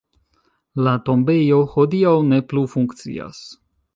La tombejo hodiaŭ ne plu funkcias.